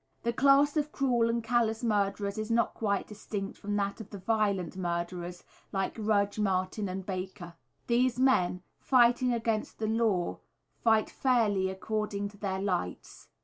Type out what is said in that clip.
The class of cruel and callous murderers is quite distinct from that of the violent murderers, like Rudge, Martin and Baker. These men, fighting against the law, fight fairly according to their lights.